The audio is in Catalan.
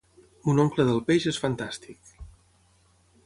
Mon oncle del peix és fantàstic.